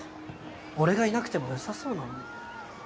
俺がいなくてもよさそうなのに。